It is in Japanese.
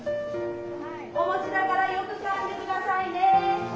お餅だからよくかんで下さいね。